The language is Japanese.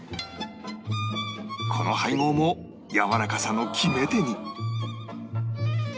この配合も柔らかさの決め手に